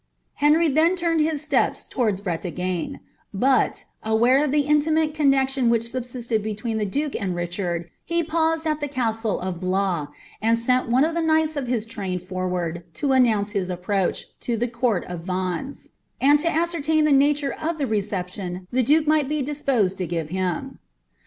Henry then turned his steps towards Bretagne; but, aware of the intimate connexion which subsisted between the duke and Richard, he paused at the castle of Blois, and sent one of the knigh^ of ham train forward to announce his approach to the court of Vanncs, and 10 ascertain the nature of the recqytion the duke might be disposed to give him.